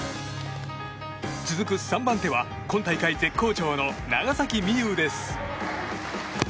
続く３番手今大会、絶好調の長崎美柚です。